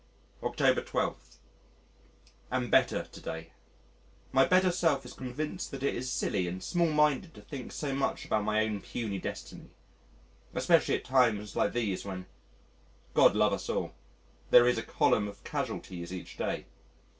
October 12. Am better to day. My better self is convinced that it is silly and small minded to think so much about my own puny destiny especially at times like these when God love us all there is a column of casualties each day.